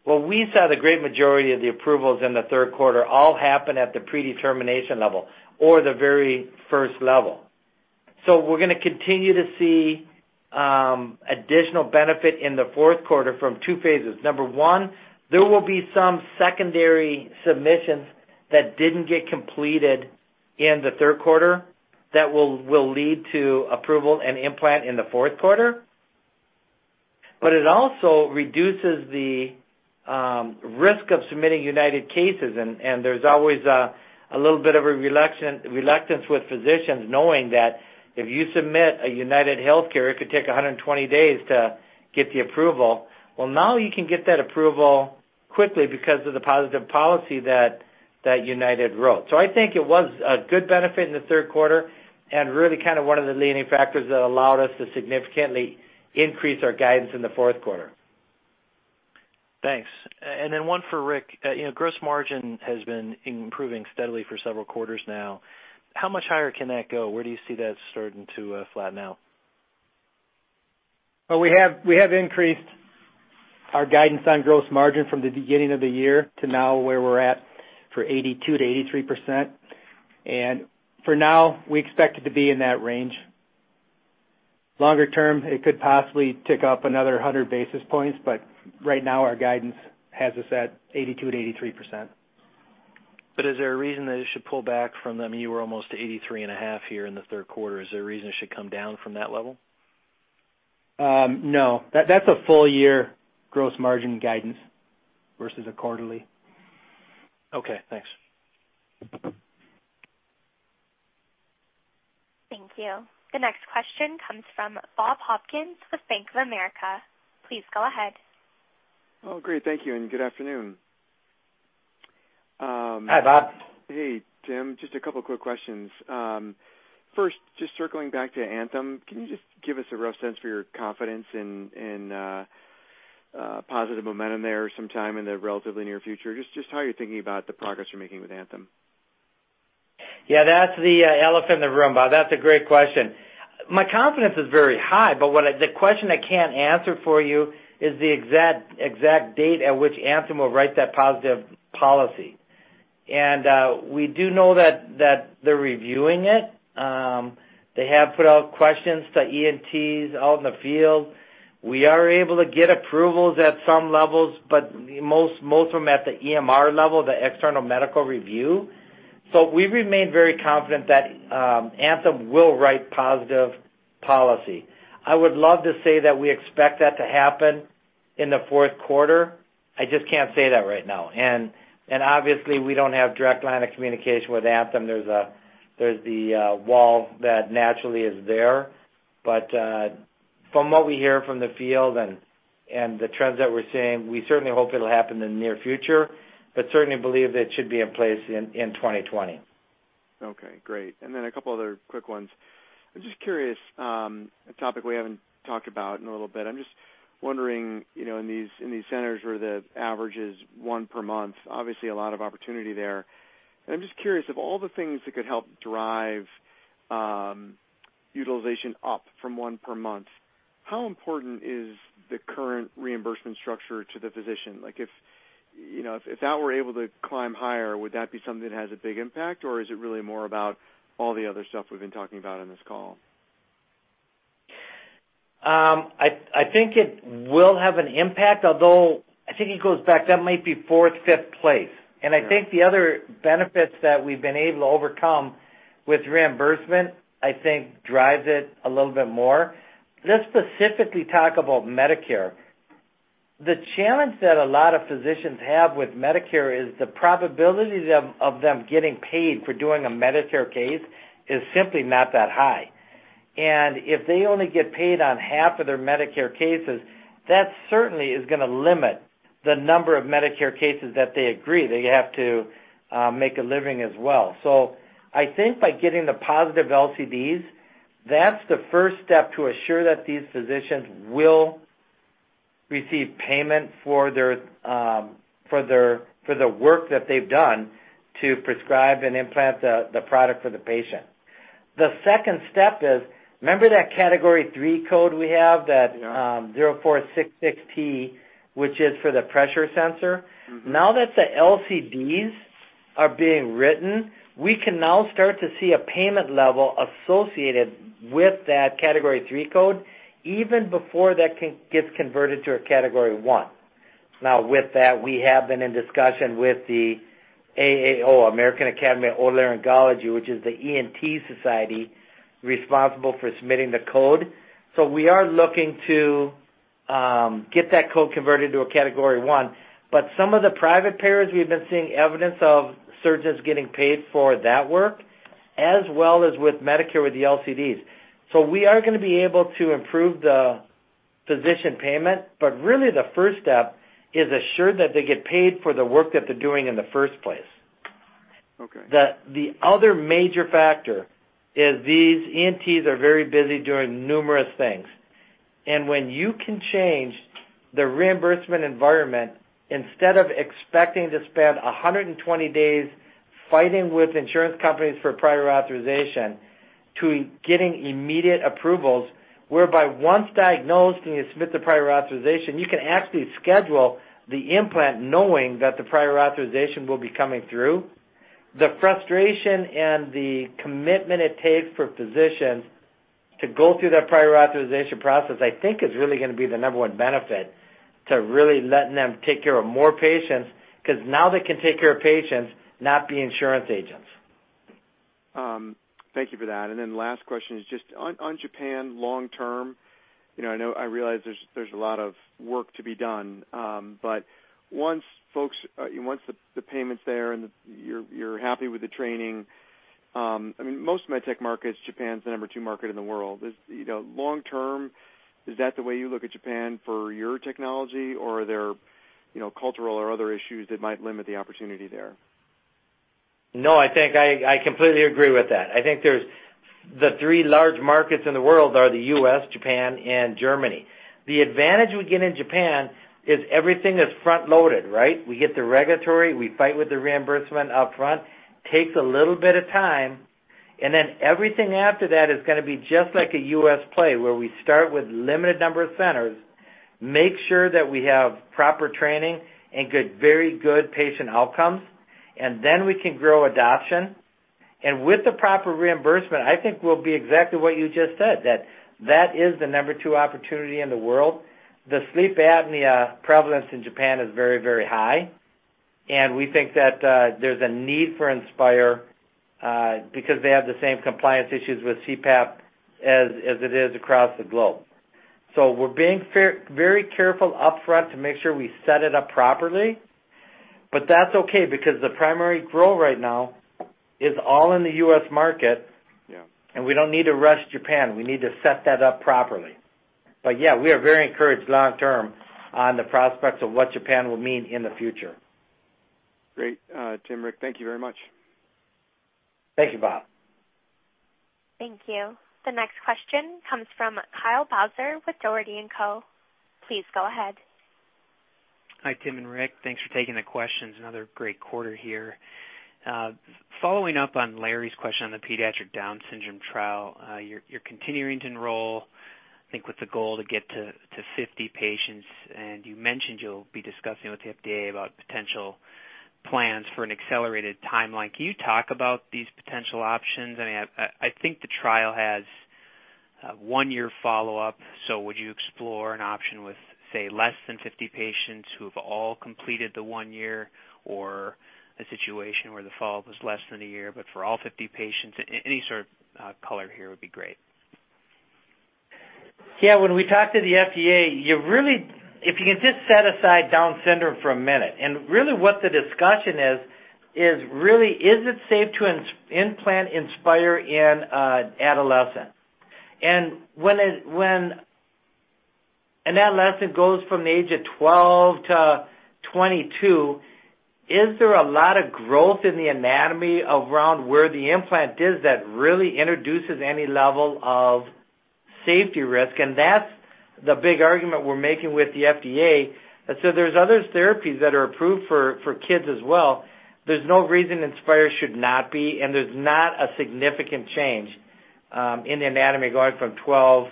What we saw the great majority of the approvals in the third quarter all happen at the predetermination level or the very first level. We're going to continue to see additional benefit in the fourth quarter from two phases. Number one, there will be some secondary submissions that didn't get completed in the third quarter that will lead to approval and implant in the fourth quarter. It also reduces the risk of submitting United cases, and there's always a little bit of a reluctance with physicians knowing that if you submit a UnitedHealthcare, it could take 120 days to get the approval. Well, now you can get that approval quickly because of the positive policy that United wrote. I think it was a good benefit in the third quarter and really one of the leading factors that allowed us to significantly increase our guidance in the fourth quarter. Thanks. One for Rick. Gross margin has been improving steadily for several quarters now. How much higher can that go? Where do you see that starting to flatten out? Well, we have increased our guidance on gross margin from the beginning of the year to now, where we're at for 82% to 83%. For now, we expect it to be in that range. Longer term, it could possibly tick up another 100 basis points, right now, our guidance has us at 82% to 83%. Is there a reason that it should pull back from them? You were almost to 83.5 here in the third quarter. Is there a reason it should come down from that level? No. That's a full year gross margin guidance versus a quarterly. Okay, thanks. Thank you. The next question comes from Bob Hopkins with Bank of America. Please go ahead. Oh, great. Thank you. Good afternoon. Hi, Bob. Hey, Tim. Just a couple quick questions. First, just circling back to Anthem, can you just give us a rough sense for your confidence in positive momentum there sometime in the relatively near future? Just how you're thinking about the progress you're making with Anthem. Yeah, that's the elephant in the room, Bob. That's a great question. My confidence is very high, the question I can't answer for you is the exact date at which Anthem will write that positive policy. We do know that they're reviewing it. They have put out questions to ENTs out in the field. We are able to get approvals at some levels, but most of them at the EMR level, the external medical review. We remain very confident that Anthem will write positive policy. I would love to say that we expect that to happen in the fourth quarter. I just can't say that right now. Obviously, we don't have direct line of communication with Anthem. There's the wall that naturally is there. From what we hear from the field and the trends that we're seeing, we certainly hope it'll happen in the near future, but certainly believe that it should be in place in 2020. Okay, great. A couple other quick ones. I'm just curious, a topic we haven't talked about in a little bit. I'm just wondering, in these centers where the average is one per month, obviously a lot of opportunity there. I'm just curious of all the things that could help drive utilization up from one per month, how important is the current reimbursement structure to the physician? If that were able to climb higher, would that be something that has a big impact, or is it really more about all the other stuff we've been talking about on this call? I think it will have an impact, although I think it goes back, that might be fourth, fifth place. Sure. I think the other benefits that we've been able to overcome with reimbursement, I think drives it a little bit more. Let's specifically talk about Medicare. The challenge that a lot of physicians have with Medicare is the probability of them getting paid for doing a Medicare case is simply not that high. If they only get paid on half of their Medicare cases, that certainly is going to limit the number of Medicare cases that they agree. They have to make a living as well. I think by getting the positive LCDs, that's the first step to assure that these physicians will receive payment for the work that they've done to prescribe and implant the product for the patient. The second step is, remember that Category III code we have? Yeah. That 0466T, which is for the pressure sensor. That the LCDs are being written, we can now start to see a payment level associated with that Category III code even before that gets converted to a Category I. With that, we have been in discussion with the AAO, American Academy of Otolaryngology, which is the ENT society responsible for submitting the code. We are looking to get that code converted to a Category I. Some of the private payers, we've been seeing evidence of surgeons getting paid for that work, as well as with Medicare with the LCDs. We are going to be able to improve the physician payment, but really the first step is assure that they get paid for the work that they're doing in the first place. Okay. The other major factor is these ENTs are very busy doing numerous things. When you can change the reimbursement environment, instead of expecting to spend 120 days fighting with insurance companies for prior authorization to getting immediate approvals, whereby once diagnosed and you submit the prior authorization, you can actually schedule the implant knowing that the prior authorization will be coming through. The frustration and the commitment it takes for physicians to go through that prior authorization process, I think is really going to be the number one benefit to really letting them take care of more patients, because now they can take care of patients, not be insurance agents. Thank you for that. Last question is just on Japan long term. I realize there's a lot of work to be done. Once the payment's there and you're happy with the training, most med tech markets, Japan's the number 2 market in the world. Long term, is that the way you look at Japan for your technology or are there cultural or other issues that might limit the opportunity there? No, I think I completely agree with that. I think the three large markets in the world are the U.S., Japan, and Germany. The advantage we get in Japan is everything is front-loaded, right? We get the regulatory, we fight with the reimbursement upfront, takes a little bit of time, and then everything after that is going to be just like a U.S. play, where we start with limited number of centers, make sure that we have proper training and very good patient outcomes, and then we can grow adoption. With the proper reimbursement, I think we'll be exactly what you just said, that that is the number two opportunity in the world. The sleep apnea prevalence in Japan is very high, and we think that there's a need for Inspire because they have the same compliance issues with CPAP as it is across the globe. We're being very careful upfront to make sure we set it up properly, but that's okay because the primary growth right now is all in the U.S. market. Yeah. We don't need to rush Japan. We need to set that up properly. Yeah, we are very encouraged long term on the prospects of what Japan will mean in the future. Great. Tim, Rick, thank you very much. Thank you, Bob. Thank you. The next question comes from Kyle Rose with Dougherty & Co. Please go ahead. Hi, Tim and Rick. Thanks for taking the questions. Another great quarter here. Following up on Larry Biegelsen's question on the pediatric Down syndrome trial, you're continuing to enroll, I think with the goal to get to 50 patients, and you mentioned you'll be discussing with the FDA about potential plans for an accelerated timeline. Can you talk about these potential options? I think the trial has a one-year follow-up. Would you explore an option with, say, less than 50 patients who have all completed the one year or a situation where the follow-up is less than a year, but for all 50 patients? Any sort of color here would be great. Yeah. When we talk to the FDA, if you can just set aside Down syndrome for a minute, and really what the discussion is really is it safe to implant Inspire in adolescent? An adolescent goes from the age of 12 to 22. Is there a lot of growth in the anatomy around where the implant is that really introduces any level of safety risk? That's the big argument we're making with the FDA that said there's other therapies that are approved for kids as well. There's no reason Inspire should not be, there's not a significant change in the anatomy going from 12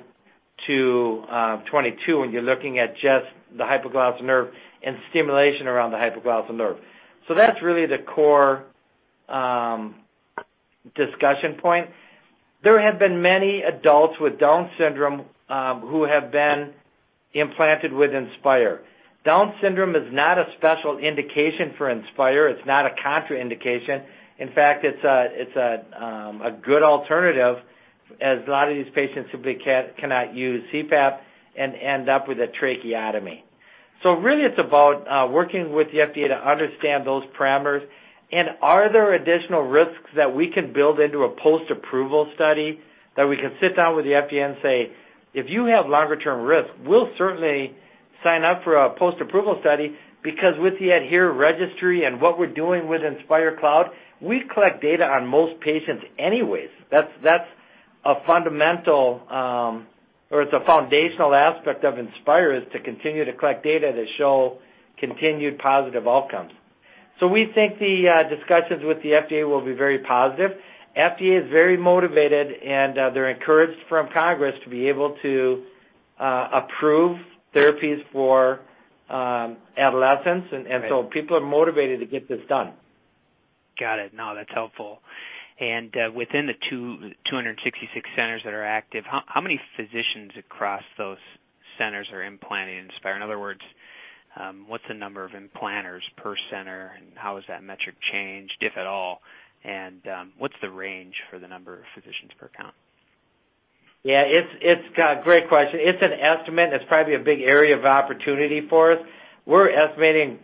to 22 when you're looking at just the hypoglossal nerve and stimulation around the hypoglossal nerve. That's really the core discussion point. There have been many adults with Down syndrome who have been implanted with Inspire. Down syndrome is not a special indication for Inspire. It's not a contraindication. In fact, it's a good alternative as a lot of these patients simply cannot use CPAP and end up with a tracheotomy. Really it's about working with the FDA to understand those parameters and are there additional risks that we can build into a post-approval study that we can sit down with the FDA and say, "If you have longer term risk, we'll certainly sign up for a post-approval study." Because with the ADHERE Registry and what we're doing with Inspire Cloud, we collect data on most patients anyways. That's a fundamental, or it's a foundational aspect of Inspire is to continue to collect data that show continued positive outcomes. We think the discussions with the FDA will be very positive. FDA is very motivated, and they're encouraged from Congress to be able to approve therapies for adolescents. Right. People are motivated to get this done. Got it. No, that's helpful. Within the 266 centers that are active, how many physicians across those centers are implanting Inspire? In other words, what's the number of implanters per center, and how has that metric changed, if at all? What's the range for the number of physicians per count? Yeah. Great question. It's an estimate, and it's probably a big area of opportunity for us. We're estimating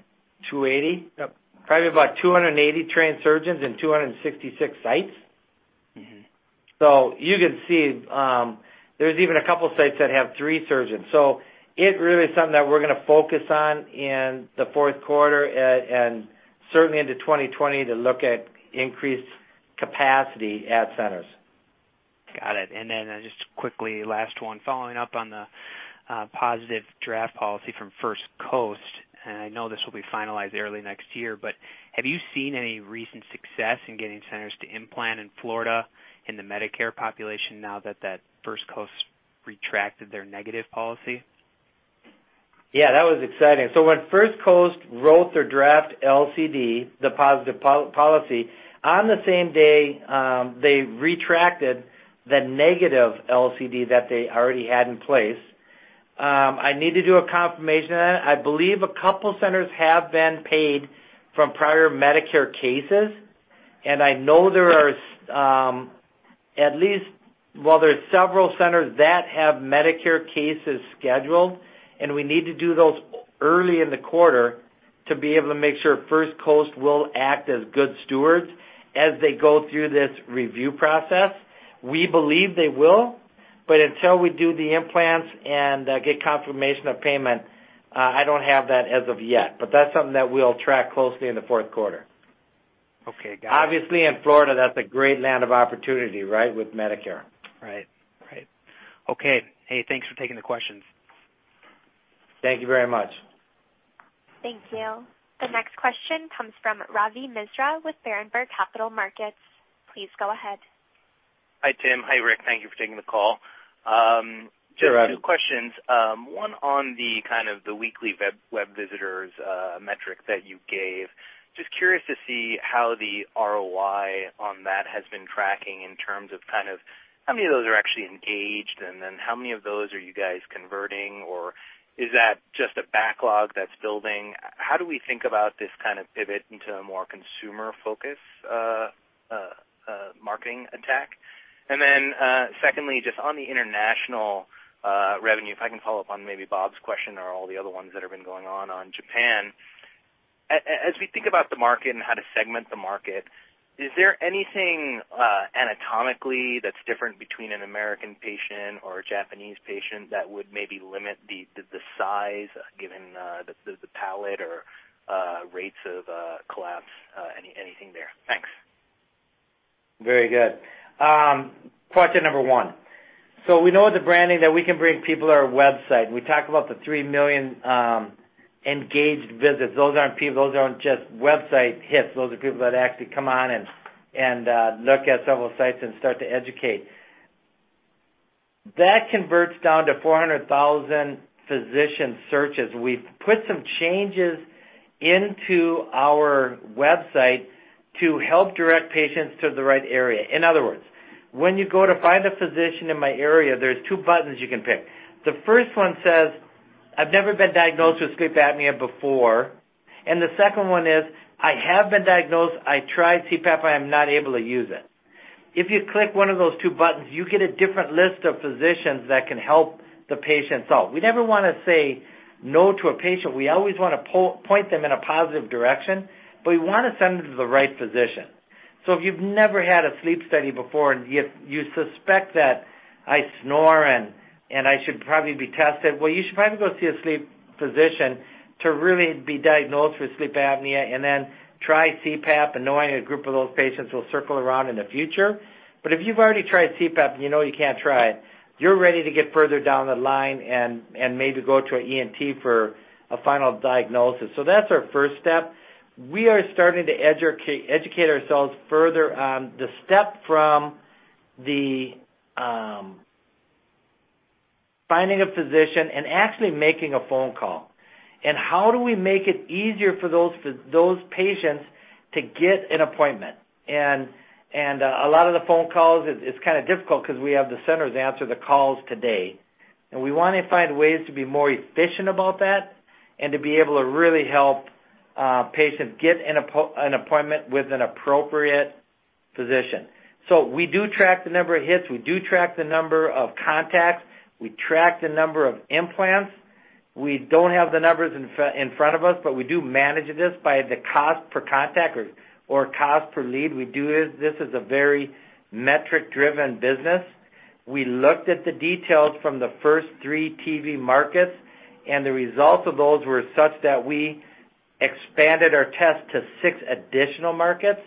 280. Yep. Probably about 280 trained surgeons in 266 sites. You can see there's even a couple sites that have three surgeons. It really is something that we're going to focus on in the fourth quarter and certainly into 2020 to look at increased capacity at centers. Got it. Just quickly, last one. Following up on the positive draft policy from First Coast, and I know this will be finalized early next year, but have you seen any recent success in getting centers to implant in Florida in the Medicare population now that First Coast retracted their negative policy? Yeah, that was exciting. When First Coast wrote their draft LCD, the positive policy, on the same day, they retracted the negative LCD that they already had in place. I need to do a confirmation on it. I believe a couple centers have been paid from prior Medicare cases, and I know there are several centers that have Medicare cases scheduled, and we need to do those early in the quarter to be able to make sure First Coast will act as good stewards as they go through this review process. We believe they will, but until we do the implants and get confirmation of payment, I don't have that as of yet. That's something that we'll track closely in the fourth quarter. Okay, got it. Obviously, in Florida, that's a great land of opportunity with Medicare. Right. Okay. Hey, thanks for taking the questions. Thank you very much. Thank you. The next question comes from Ravi Misra with Berenberg Capital Markets. Please go ahead. Hi, Tim. Hi, Rick. Thank you for taking the call. Sure, Ravi. Two questions. One on the kind of the weekly web visitors metric that you gave. Just curious to see how the ROI on that has been tracking in terms of how many of those are actually engaged, then how many of those are you guys converting, or is that just a backlog that's building? How do we think about this kind of pivot into a more consumer-focused marketing attack? Secondly, just on the international revenue, if I can follow up on maybe Bob's question or all the other ones that have been going on on Japan. As we think about the market and how to segment the market, is there anything anatomically that's different between an American patient or a Japanese patient that would maybe limit the size given the palate or rates of collapse? Anything there? Thanks. Very good. Question number one. We know with the branding that we can bring people to our website. We talked about the 3 million engaged visits. Those aren't people, those aren't just website hits. Those are people that actually come on and look at several sites and start to educate. That converts down to 400,000 physician searches. We've put some changes into our website to help direct patients to the right area. In other words, when you go to find a physician in my area, there's two buttons you can pick. The first one says, "I've never been diagnosed with sleep apnea before." The second one is, "I have been diagnosed. I tried CPAP. I'm not able to use it." If you click one of those two buttons, you get a different list of physicians that can help the patient. We never want to say no to a patient. We always want to point them in a positive direction, but we want to send them to the right physician. If you've never had a sleep study before, and yet you suspect that I snore and I should probably be tested, well, you should probably go see a sleep physician to really be diagnosed with sleep apnea and then try CPAP, and knowing a group of those patients will circle around in the future. If you've already tried CPAP and you know you can't try it, you're ready to get further down the line and maybe go to an ENT for a final diagnosis. That's our first step. We are starting to educate ourselves further on the step from the finding a physician and actually making a phone call. How do we make it easier for those patients to get an appointment? A lot of the phone calls, it's kind of difficult because we have the centers answer the calls today. We want to find ways to be more efficient about that and to be able to really help patients get an appointment with an appropriate physician. We do track the number of hits. We do track the number of contacts. We track the number of implants. We don't have the numbers in front of us, but we do manage this by the cost per contact or cost per lead. We do this as a very metric-driven business. We looked at the details from the first three TV markets, and the results of those were such that we expanded our test to six additional markets.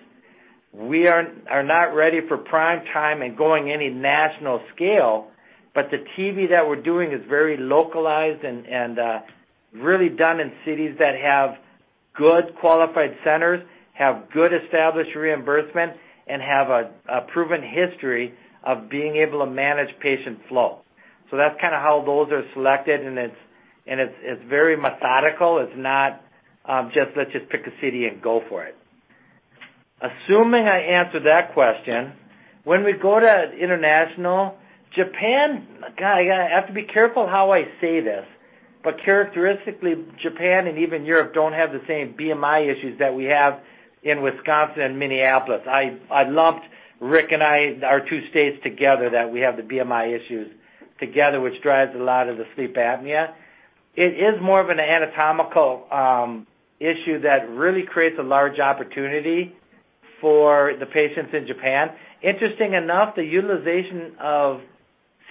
We are not ready for prime time and going any national scale, the TV that we're doing is very localized and really done in cities that have good qualified centers, have good established reimbursement, and have a proven history of being able to manage patient flow. That's kind of how those are selected, and it's very methodical. It's not just let's just pick a city and go for it. Assuming I answered that question, when we go to international, Japan, God, I have to be careful how I say this, but characteristically, Japan and even Europe don't have the same BMI issues that we have in Wisconsin and Minneapolis. I lumped Rick and I, our two states together, that we have the BMI issues together, which drives a lot of the sleep apnea. It is more of an anatomical issue that really creates a large opportunity for the patients in Japan. Interesting enough, the utilization of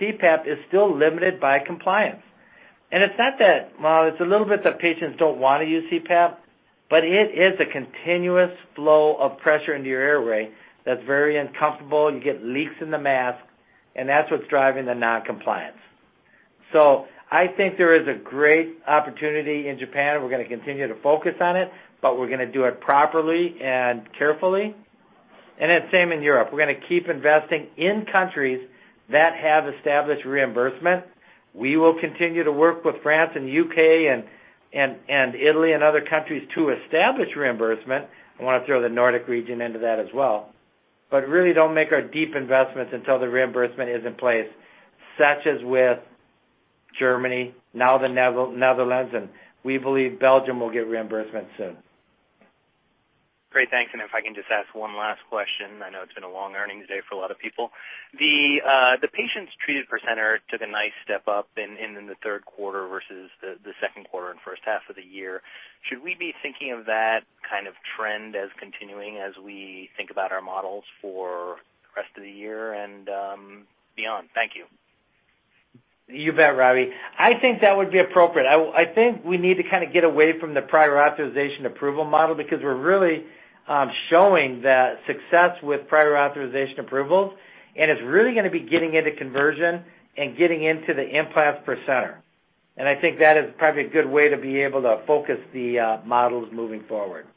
CPAP is still limited by compliance. It's not that, well, it's a little bit that patients don't want to use CPAP, but it is a continuous flow of pressure into your airway that's very uncomfortable. You get leaks in the mask, and that's what's driving the non-compliance. I think there is a great opportunity in Japan, and we're going to continue to focus on it, but we're going to do it properly and carefully. It's same in Europe. We're going to keep investing in countries that have established reimbursement. We will continue to work with France and U.K. and Italy and other countries to establish reimbursement. I want to throw the Nordic region into that as well. Really don't make our deep investments until the reimbursement is in place, such as with Germany, now the Netherlands, and we believe Belgium will get reimbursement soon. Great, thanks. If I can just ask one last question. I know it's been a long earnings day for a lot of people. The patients treated per center took a nice step up in the third quarter versus the second quarter and first half of the year. Should we be thinking of that kind of trend as continuing as we think about our models for the rest of the year and beyond? Thank you. You bet, Ravi. I think that would be appropriate. I think we need to kind of get away from the prior authorization approval model because we're really showing that success with prior authorization approvals, and it's really going to be getting into conversion and getting into the implants per center. I think that is probably a good way to be able to focus the models moving forward.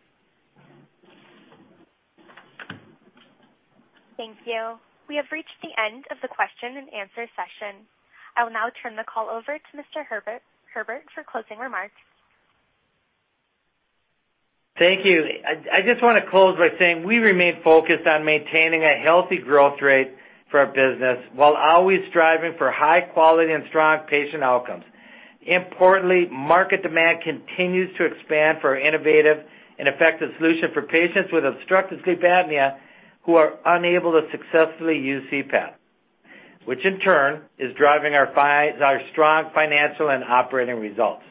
Thank you. We have reached the end of the question and answer session. I will now turn the call over to Mr. Herbert for closing remarks. Thank you. I just want to close by saying we remain focused on maintaining a healthy growth rate for our business while always striving for high quality and strong patient outcomes. Importantly, market demand continues to expand for our innovative and effective solution for patients with obstructive sleep apnea who are unable to successfully use CPAP. Which in turn is driving our strong financial and operating results.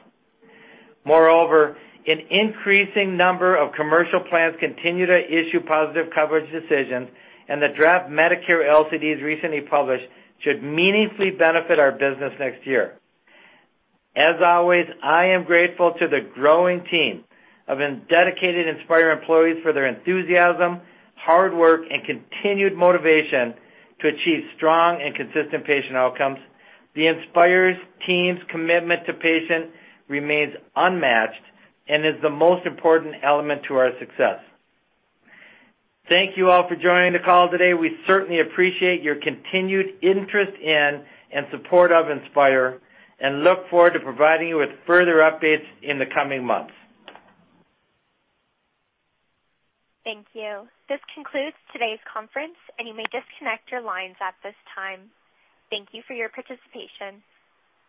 Moreover, an increasing number of commercial plans continue to issue positive coverage decisions, and the draft Medicare LCDs recently published should meaningfully benefit our business next year. As always, I am grateful to the growing team of dedicated Inspire employees for their enthusiasm, hard work, and continued motivation to achieve strong and consistent patient outcomes. The Inspire team's commitment to patients remains unmatched and is the most important element to our success. Thank you all for joining the call today. We certainly appreciate your continued interest in and support of Inspire and look forward to providing you with further updates in the coming months. Thank you. This concludes today's conference, and you may disconnect your lines at this time. Thank you for your participation.